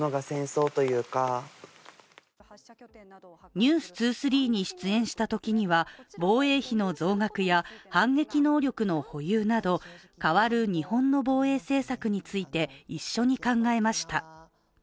「ｎｅｗｓ２３」に出演したときには防衛費の増額や反撃能力の保有など変わる日本の防衛政策について一緒に考えました。